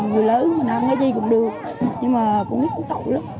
người lớn mình ăn cái gì cũng được nhưng mà con nít cũng tội lắm